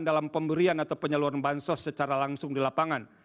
dalam pemberian atau penyaluran bansos secara langsung di lapangan